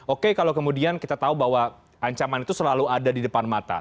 oke kalau kemudian kita tahu bahwa ancaman itu selalu ada di depan mata